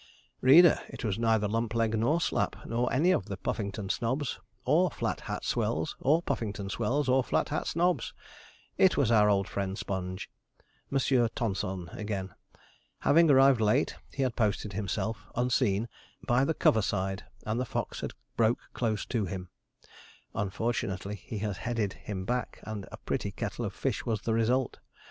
Reader! it was neither Lumpleg nor Slapp, nor any of the Puffington snobs, or Flat Hat swells, or Puffington swells, or Flat Hat snobs. It was our old friend Sponge; Monsieur Tonson again! Having arrived late, he had posted himself, unseen, by the cover side, and the fox had broke close to him. Unfortunately, he had headed him back, and a pretty kettle of fish was the result.